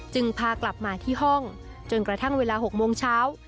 พากลับมาที่ห้องจนกระทั่งเวลา๖โมงเช้า